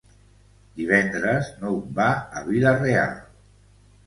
Divendres n'Hug va a Vila-real.